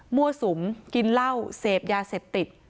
สุมกินเหล้าเสพยาเสพติด